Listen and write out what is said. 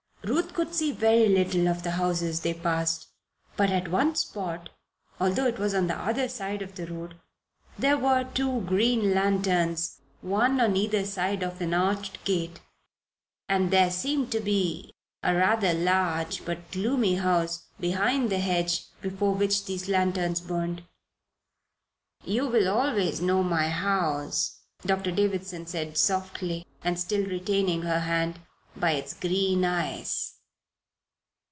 Ruth could see very little of the houses they passed; but at one spot although it was on the other side of the road there were two green lanterns, one on either side of an arched gate, and there seemed to be a rather large, but gloomy, house behind the hedge before which these lanterns burned. "You will always know my house," Doctor Davison said, softly, and still retaining her hand, "by its green eyes."